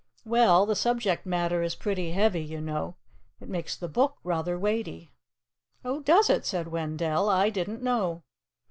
"Well, the subject matter is pretty heavy, you know. It makes the book rather weighty." "Oh, does it?" said Wendell. "I didn't know."